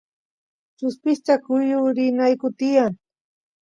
chuspista kuyurinayku tiyan